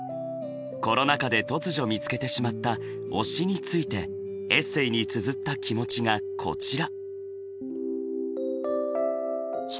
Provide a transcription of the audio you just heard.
コロナ禍で突如見つけてしまった推しについてエッセイにつづった気持ちがこちら。